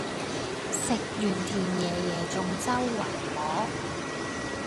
食完甜椰椰仲周圍摸